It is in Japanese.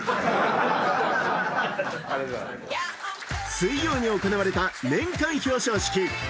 水曜に行われた年間表彰式。